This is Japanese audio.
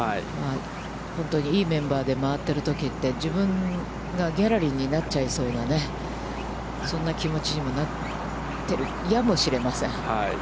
本当に、いいメンバーで回っているときって、自分がギャラリーになっちゃいそうな、そんな気持ちにもなってるやもしれません。